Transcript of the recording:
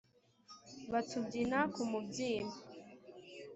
batubyina ku mubyimba